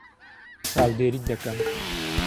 چاودێریت دەکەم.